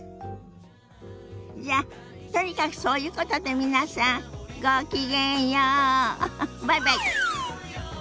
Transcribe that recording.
じゃとにかくそういうことで皆さんごきげんようバイバイ。